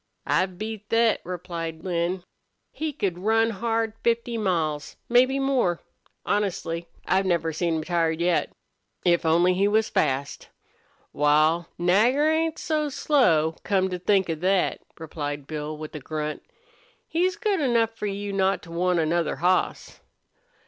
"I've beat thet," replied Lin. "He could run hard fifty miles mebbe more. Honestly, I never seen him tired yet. If only he was fast!" "Wal, Nagger ain't so slow, come to think of thet," replied Bill, with a grunt. "He's good enough for you not to want another hoss."